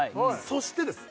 そしてです